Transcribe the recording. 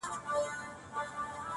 ښه او بد د قاضي ټول ورته عیان سو,